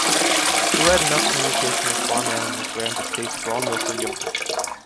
Who had enough communication with farm animals ran to taste raw milk or yoghurt.